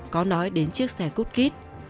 có nói đến chiếc xe cút kít